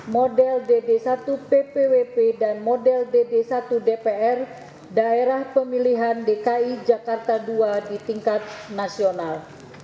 model dd satu ppwp dan model dd satu dpr daerah pemilihan dki jakarta ii di tingkat nasional